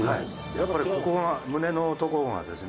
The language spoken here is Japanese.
やっぱりここが胸のところがですね。